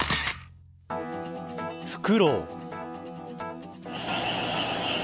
フクロウ。